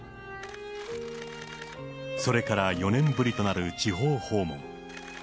それから４年ぶりとなる地方訪問。